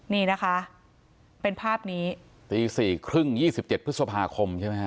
นี่นะคะเป็นภาพนี้ตี๔๓๐นยี่สิบเจ็ดพฤษภาคมใช่มั้ย